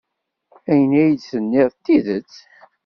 Ayen ay d-tenniḍ d tidet.